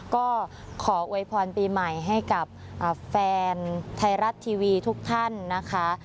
ก็ขออวยพรปีใหม่ให้กับแฟนไทยรัฐทีวีทุกท่านนะคะ